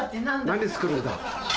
何作るんだ